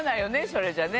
それじゃあね。